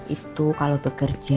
itu kalau bergeraknya